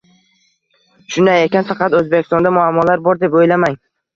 Shunday ekan, faqat Oʻzbekistonda muammolar bor deb oʻylamang.